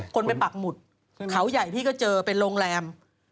คนไปปักหมุดเขาใหญ่พี่ก็เจอเป็นโรงแรม